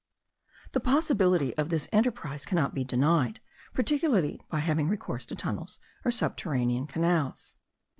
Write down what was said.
The possibility* of this enterprise cannot be denied, particularly by having recourse to tunnels, or subterranean canals.